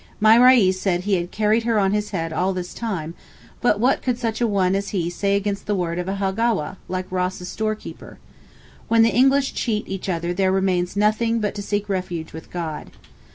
My Reis said he had 'carried her on his head all this time' but 'what could such a one as he say against the word of a Howagah, like Ross's storekeeper?' When the English cheat each other there remains nothing but to seek refuge with God.